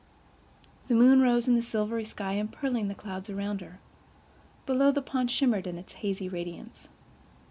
The moon rose in the silvery sky, empearling the clouds around her. Below, the pond shimmered in its hazy radiance.